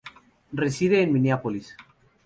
Reside en Minneapolis.